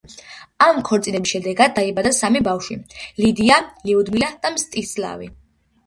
ამ ქორწინების შედეგად დაიბადა სამი ბავშვი: ლიდია, ლიუდმილა და მსტისლავი.